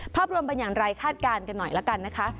ภาพรวมเป็นอย่างไรคาดการณ์กันหน่อยละกันนะคะ